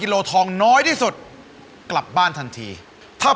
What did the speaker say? หมวกปีกดีกว่าหมวกปีกดีกว่า